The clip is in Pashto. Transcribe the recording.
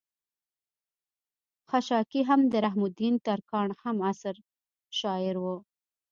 خشاکے هم د رحم الدين ترکاڼ هم عصر شاعر وو